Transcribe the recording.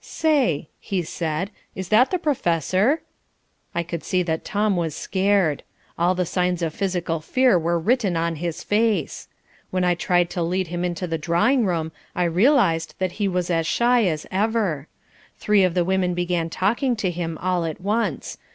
"Say," he said, "is that the professor?" I could see that Tom was scared. All the signs of physical fear were written on his face. When I tried to lead him into the drawing room I realised that he was as shy as ever. Three of the women began talking to him all at once.